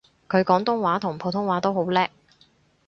佢廣東話同普通話都好叻